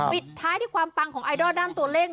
ปิดท้ายที่ความปังของไอดอลด้านตัวเลข